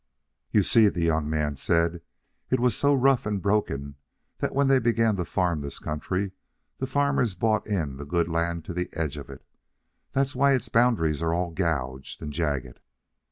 "You see," the young man said, "it was so rough and broken that when they began to farm this country the farmers bought in the good land to the edge of it. That's why its boundaries are all gouged and jagged.